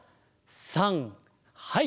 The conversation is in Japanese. さんはい！